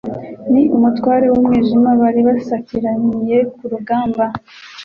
n'umutware w'umwijima bari basakiraniye ku rugamba,